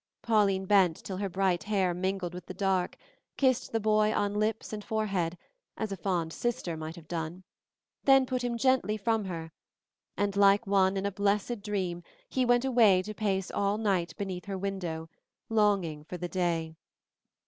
Pauline bent till her bright hair mingled with the dark, kissed the boy on lips and forehead as a fond sister might have done, then put him gently from her; and like one in a blessed dream he went away to pace all night beneath her window, longing for the day.